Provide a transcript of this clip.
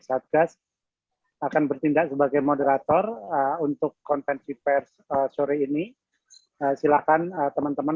satgas akan bertindak sebagai moderator untuk konvensi pers sore ini silakan teman teman